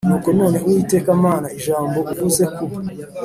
Nuko none Uwiteka Mana ijambo uvuze ku